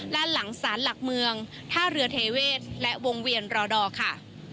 ด้านหลังสารหลักเมืองท่าเรือเทเวศและวงเวียนรอดอร์ค่ะ